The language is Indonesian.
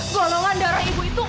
golongan darah ibu itu